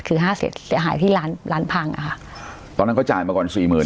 คือห้าเสร็จเสียหายที่ร้านร้านพังอ่ะค่ะตอนนั้นเขาจ่ายมาก่อนสี่หมื่น